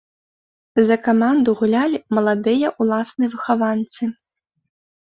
За каманду гулялі маладыя ўласныя выхаванцы.